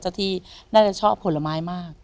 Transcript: ที่น่าจะชอบผลไม้มาก